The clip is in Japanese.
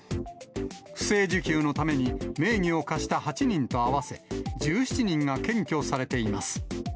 不正受給のために、名義を貸した８人と合わせ、１７人が検挙されています。